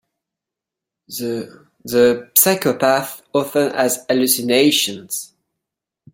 The psychopath often has hallucinations.